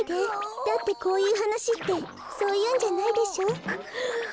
だってこういうはなしってそういうんじゃないでしょ？くっくっ。